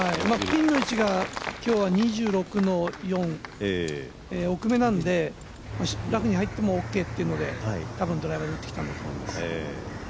ピンの位置が今日は２６の４奥めなので、ラフに入ってもＯＫというのでドライバーで打ってきたんだと思います。